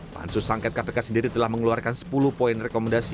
pansus angket kpk sendiri telah mengeluarkan sepuluh poin rekomendasi